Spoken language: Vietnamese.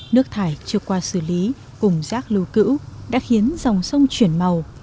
nước thải trượt qua xử lý cùng rác lưu cữ đã khiến dòng sông chuyển màu